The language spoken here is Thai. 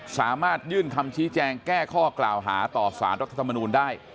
สามารถยื่นคำชี้แจงแก้ข้อกล่าวหาต่อสารรัฐธรรมนูลได้